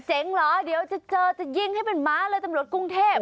เหรอเดี๋ยวจะเจอจะยิงให้เป็นม้าเลยตำรวจกรุงเทพ